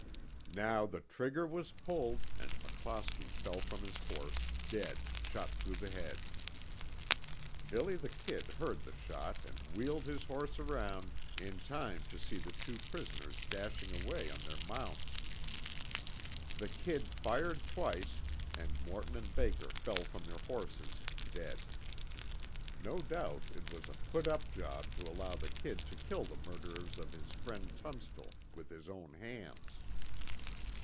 Now the trigger was pulled and McClosky fell from his horse, dead, shot through the head. "Billy the Kid" heard the shot and wheeled his horse around in time to see the two prisoners dashing away on their mounts. The "Kid" fired twice and Morton and Baker fell from their horses, dead. No doubt it was a put up job to allow the "Kid" to kill the murderers of his friend Tunstall, with his own hands.